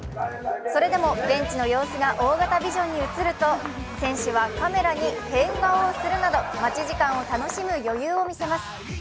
それでも現地の様子が大型ビジョンに映ると選手はカメラに変顔をするなど待ち時間を楽しむ余裕を見せます。